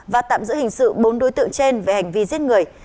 và tạm giữ hình sự bốn đối tượng trên về hành vi giết người